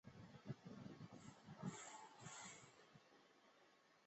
宁有子胡虔。